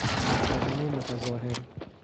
آدم متظاهر